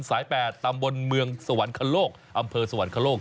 สาย๘ตำบลเมืองสวรรคโลกอำเภอสวรรคโลก